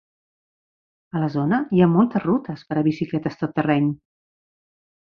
A la zona hi ha moltes rutes per a bicicletes tot terreny.